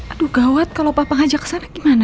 aduh gawat kalau papa ngajak sana gimana